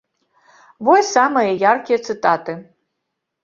Вось самыя яркія цытаты.